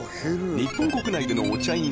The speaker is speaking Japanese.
日本国内でのお茶